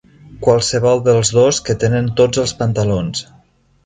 Qualsevol dels dos que tenen tots els pantalons.